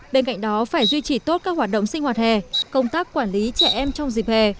bên cạnh đó phải duy trì tốt các hoạt động sinh hoạt hè công tác quản lý trẻ em trong dịp hè